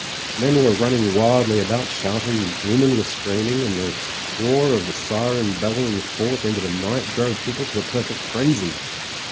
Men were running wildly about shouting, women were screaming, and the roar of the siren bellowing forth into the night drove people to a perfect frenzy.